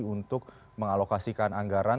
untuk mengalokasikan anggaran